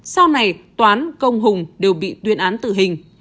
sau này toán công hùng đều bị tuyên án tử hình